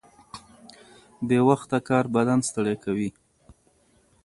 بې وخته کار بدن ستړی کوي.